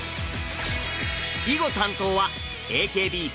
囲碁担当はＡＫＢ４８。